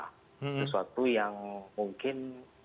sesuatu yang mungkin